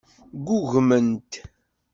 Ggugment.